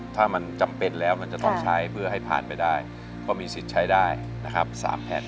ถ้ามันจำเป็นแล้วมันจะต้องใช้เพื่อให้ผ่านไปได้ก็มีสิทธิ์ใช้ได้นะครับ๓แผ่น